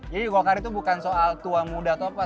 jadi di golkar itu bukan soal tua muda atau apa